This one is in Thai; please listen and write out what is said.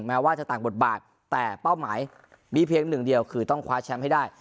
แม้ว่าจะต่างบทบาทแต่เป้าหมายมีเพียงหนึ่งเดียวคือต้องคว้าแชมป์ให้ได้